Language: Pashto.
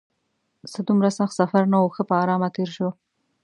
څه دومره سخت سفر نه و، ښه په ارامه تېر شو.